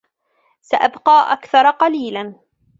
سأبقى أكثر قليلا.